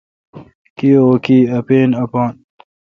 کی او کی۔ اپین اپان